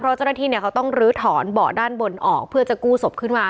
เพราะเจ้าหน้าที่เนี่ยเขาต้องลื้อถอนเบาะด้านบนออกเพื่อจะกู้ศพขึ้นมา